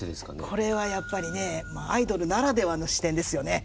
これはやっぱりねアイドルならではの視点ですよね。